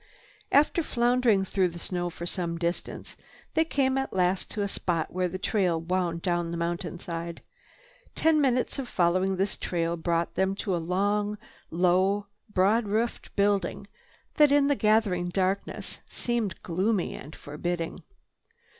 After floundering through the snow for some distance, they came at last to a spot where a trail wound down the mountainside. Ten minutes of following this trail brought them to a long, low, broad roofed building that, in the gathering darkness, seemed gloomy and forbidding.